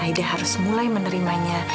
aida harus mulai menerimanya